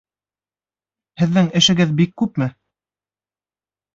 Һеҙҙең эшегеҙ бик күпме?